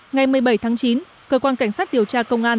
ngày một mươi bảy tháng chín cơ quan cảnh sát điều tra công an